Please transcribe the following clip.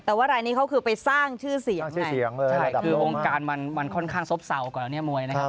แต่ว่ารายนี้เขาคือไปสร้างชื่อเสียงไงใช่คือองค์การมันค่อนข้างสโฟกว่าแล้วนี้มวยนะครับ